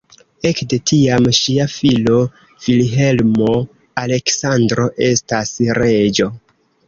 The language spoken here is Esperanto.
Ekde tiam ŝia filo Vilhelmo-Aleksandro estas reĝo.